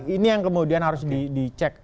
ini yang kemudian harus dicek